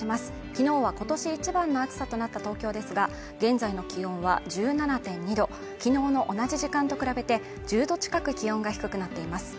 昨日は今年一番の暑さとなった東京ですが現在の気温は１７．２度きのうの同じ時間と比べて１０度近く気温が低くなっています